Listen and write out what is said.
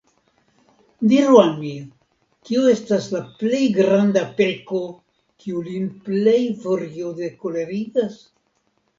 Diru al mi, kio estas la plej granda peko, kiu lin plej furioze kolerigas?